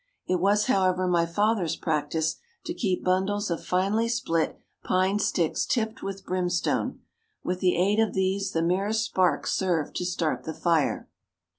It was, however, my father's practice to keep bundles of finely split pine sticks tipped with brimstone. With the aid of these, the merest spark served to start the fire.